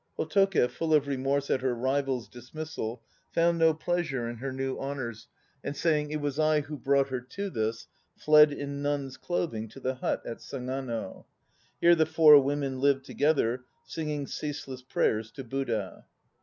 Hotoke, full of remorse at her rival's dismissal, found no pleasure in her new honours, and saying "It was I who brought her to this," fled in nun's clothing to the hut at Sagano. Here the four women lived together, singing ceaseless prayers to Buddha.